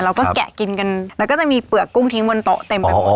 แกะกินกันแล้วก็จะมีเปลือกกุ้งทิ้งบนโต๊ะเต็มไปหมด